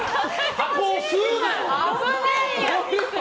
箱を吸うな！